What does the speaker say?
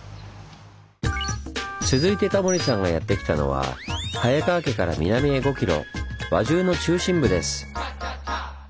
続いてタモリさんがやって来たのは早川家から南へ５ｋｍ輪中の中心部です。